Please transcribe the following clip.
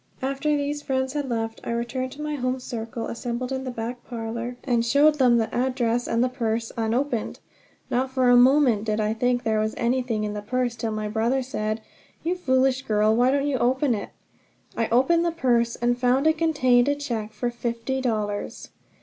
After these friends had left I returned to my home circle assembled in the back parlor, and showed them the address and the purse unopened! Not for a moment did I think there was anything in the purse till my brother said: "You foolish girl, why don't you open it?" I opened the purse, and found it contained a check for fifty dollars!